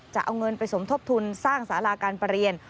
จะเอาเงินไปสมทบทุนสร้างสาราการประเรียน